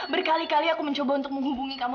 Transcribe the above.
berkali kali aku mencoba untuk menghubungi kamu